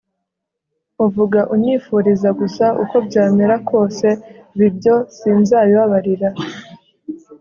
uvuga unyifuriza gusa uko byamera kose ibi byo sinzabibabarira